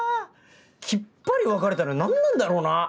きっぱり別れたのに何なんだろうな？